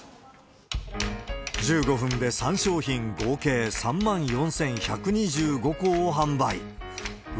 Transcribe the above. １５分で３商品、合計３万４１２５個を販売。